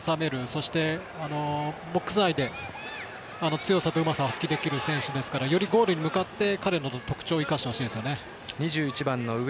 そしてボックス内で強さとうまさを発揮できる選手ですからよりゴールに向かって彼の特長を生かしてほしいですね。